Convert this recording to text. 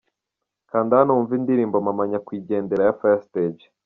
Kanda hano wumve indirimbo Mama Nyakwigendera ya Fire Stage.